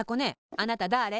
あなただれ？